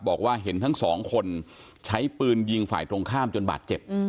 บอกว่าเห็นทั้งสองคนใช้ปืนยิงฝ่ายตรงข้ามจนบาดเจ็บ